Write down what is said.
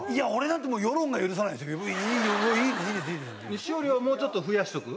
西堀をもうちょっと増やしとく？